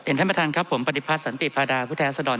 เห็นท่านประธานครับผมปฏิพัฒน์สันติพาดาพุทธแสดอน